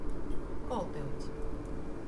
Koltyuņs.